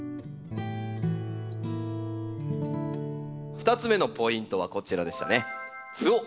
２つ目のポイントはこちらでしたね。